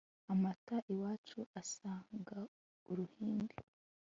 amata iwacu asaga uruhimbi